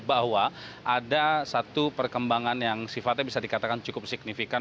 bahwa ada satu perkembangan yang sifatnya bisa dikatakan cukup signifikan